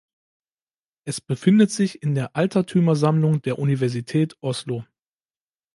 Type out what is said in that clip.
Es befindet sich in der Altertümersammlung der Universität Oslo.